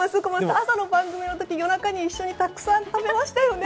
朝の番組の時にたくさん食べましたよね